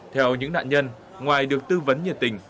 theo những nạn nhân ngoài được tư vấn nhiệt tình